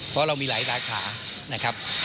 เพราะเรามีหลายราคานะครับ